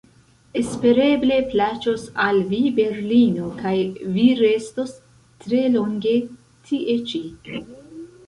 Espereble plaĉos al vi berlino kaj vi restos tre longe tie ĉi.